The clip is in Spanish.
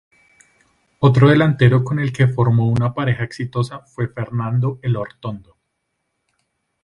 Otro delantero con el que formó una pareja exitosa fue Fernando Elortondo.